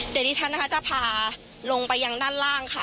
เดี๋ยวดิฉันนะคะจะพาลงไปยังด้านล่างค่ะ